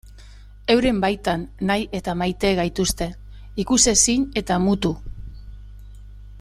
Euren baitan nahi eta maite gaituzte, ikusezin eta mutu.